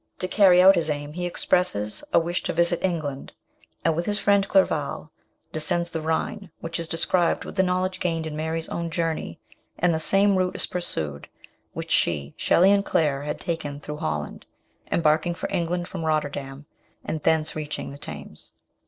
To carry out his aim he expresses a wish to visit England, and, with his friend Clerval, descends the Rhine, which is described with the knowledge gained in Mary's own journey, and the same route is pursued which she, Shelley, and Claire had taken through Holland, embarking for England from Rotterdam, and thence reaching the Thames.